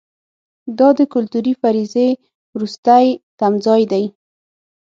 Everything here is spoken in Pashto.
دا د کلتوري فرضیې وروستی تمځای دی.